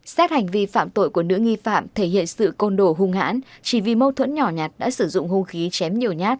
xét hành vi phạm tội của nữ nghi phạm thể hiện sự côn đồ hung hãn chỉ vì mâu thuẫn nhỏ nhạt đã sử dụng hung khí chém nhiều nhát